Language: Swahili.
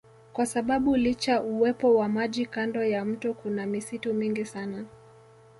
Kwa sababu licha uwepo wa maji kando ya mto kuna misitu mingi sana